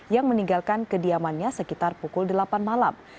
yang meninggalkan kediamannya sekitar pukul delapan malam